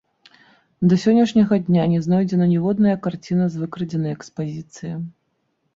Да сённяшняга дня не знойдзена ніводная карціна з выкрадзенай экспазіцыі.